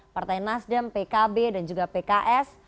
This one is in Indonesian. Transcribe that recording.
partai nasdem pkb dan juga pks